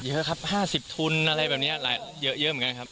เยอะครับ๕๐ทุนอะไรแบบนี้เยอะเหมือนกันครับ